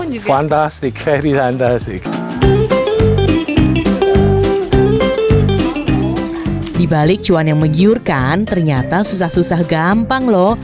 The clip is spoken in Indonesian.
juga fantastik karyanda sih dibalik cuan yang menggiurkan ternyata susah susah gampang loh